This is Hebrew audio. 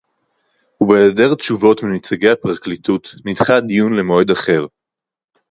ובהעדר תשובות מנציגי הפרקליטות נדחה הדיון למועד אחר